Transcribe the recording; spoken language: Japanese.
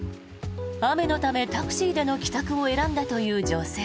雨のため、タクシーでの帰宅を選んだという女性。